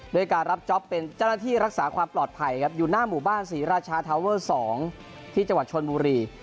ด้วยการรับจ๊อปเป็นเจ้าหน้าที่รักษาความปลอดภัยครับอยู่หน้าหมู่บ้านศรีราชาทาวเวอร์๒ที่จังหวัดชนบุรี